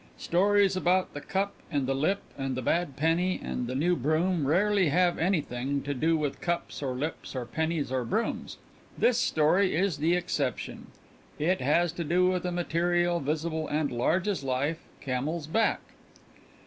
Stories about the cup and the lip and the bad penny and the new broom rarely have anything, to do with cups or lips or pennies or brooms. This story is the exception. It has to do with a material, visible and large as life camel's back.